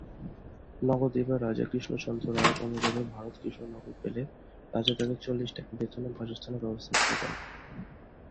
নবদ্বীপের রাজা কৃষ্ণচন্দ্র রায়ের অনুরোধে ভারত কৃষ্ণনগর গেলে রাজা তাকে চল্লিশ টাকা বেতন ও বাসস্থানের ব্যবস্থা করে দেন।